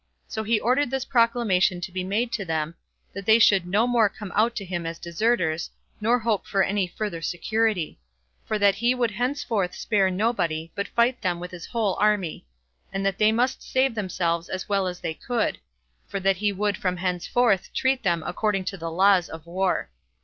So he ordered this proclamation to be made to them, That they should no more come out to him as deserters, nor hope for any further security; for that he would henceforth spare nobody, but fight them with his whole army; and that they must save themselves as well as they could; for that he would from henceforth treat them according to the laws of war.